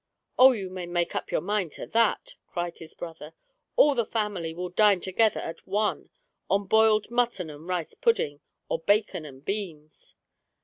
" Oh, you may make up your mind to that !" cried his brother; "all the family will dine together at One on boiled mutton and rice pudding, or bacon and beans